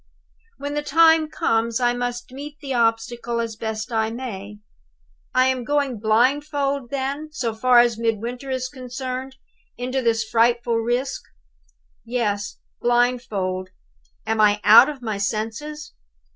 When the time comes, I must meet the obstacle as I best may. I am going blindfold, then so far as Midwinter is concerned into this frightful risk? Yes; blindfold. Am I out of my senses?